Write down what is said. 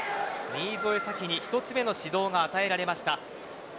新添左季に１つ目の指導が与えられました。